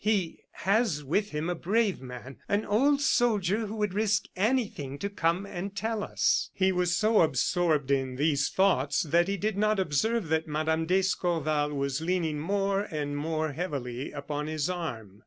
"He has with him a brave man an old soldier who would risk anything to come and tell us." He was so absorbed in these thoughts that he did not observe that Mme. d'Escorval was leaning more and more heavily upon his arm.